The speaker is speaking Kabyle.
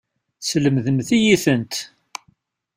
Teslemdem-iyi-tent.